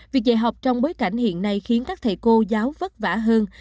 việc dạy học trong bối cảnh hiện nay khiến các thầy cô giáo vất vả hơn